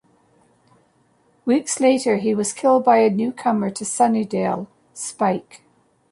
Weeks later, he was killed by a newcomer to Sunnydale, Spike.